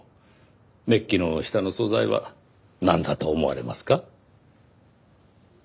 メッキの下の素材はなんだと思われますか？